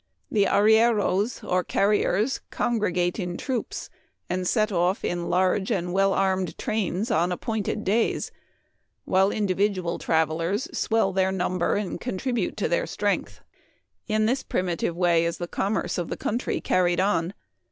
The arrieros, or car riers, congregate in troops, and set off in large and well armed trains on appointed days, while individual travelers swell their number and contribute to their strength. In this primitive way is the commerce of the country carried on.